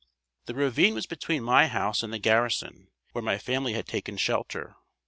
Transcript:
The ravine was between my house and the garrison, where my family had taken shelter.